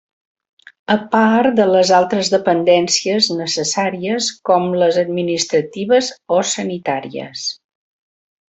A part de les altres dependències necessàries com les administratives o sanitàries.